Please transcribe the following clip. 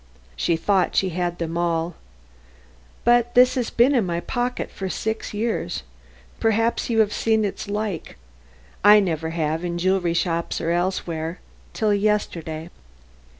She thought she had them all. But this has been in my pocket for six years. Perhaps you have seen its like; I never have, in jeweler's shop or elsewhere, till yesterday."